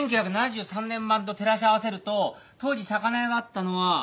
１９７３年版と照らし合わせると当時魚屋があったのは。